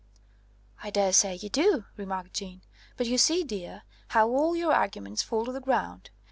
"I daresay you do," remarked Jeanne. "But you see, dear, how all your arguments fall to the ground.